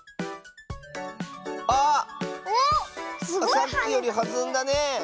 さっきよりはずんだね。ね。